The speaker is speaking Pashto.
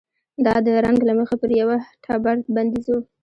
دا د رنګ له مخې پر یوه ټبر بندیز و.